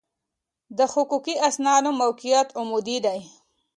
د حقوقي اسنادو موقعیت عمودي دی.